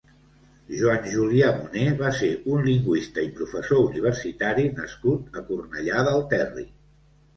Joan Julià-Muné va ser un lingüista i professor universitari nascut a Cornellà del Terri.